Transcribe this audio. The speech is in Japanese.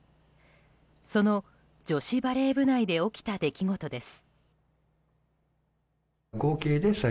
その女子バレー部内で起きた出来事です。